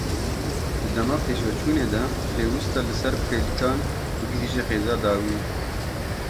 Di dema pêşveçûnê de pêwîst e li ser pêlikan bigihîje xêza dawiyê.